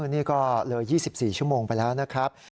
นี่ก็เลย๒๔ชั่วโมงไปแล้วนะครับ